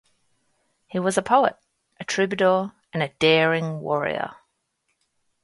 He was a poet, a troubadour and a daring warrior.